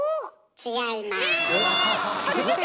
違います。